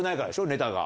ネタが。